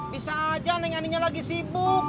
bisa aja neng aninya lagi sibuk